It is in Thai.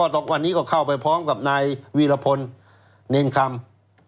วันนี้ก็เข้าไปพร้อมกับนายวีรพลเน่งคำ